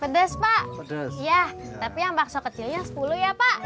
pedas pak ya tapi yang bakso kecilnya sepuluh ya pak